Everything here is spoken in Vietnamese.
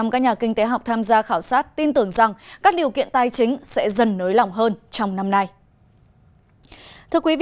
bảy mươi các nhà kinh tế học tham gia khảo sát tin tưởng rằng các điều kiện tài chính sẽ dần nới lỏng hơn trong năm nay